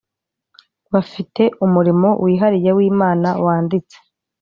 bafite umurimo wihariye wimana wanditse,